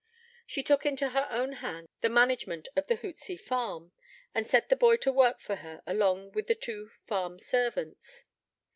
She took into her own hands the management of the Hootsey farm, and set the boy to work for her along with the two farm servants.